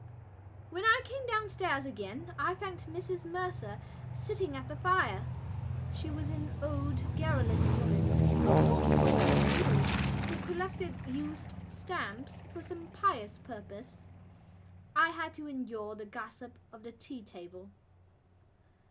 When I came downstairs again I found Mrs Mercer sitting at the fire. She was an old garrulous woman, a pawnbroker's widow, who collected used stamps for some pious purpose. I had to endure the gossip of the tea table.